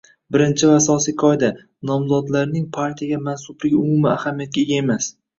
Birinchi va asosiy qoida - nomzodlarning partiyaga mansubligi umuman ahamiyatga ega emas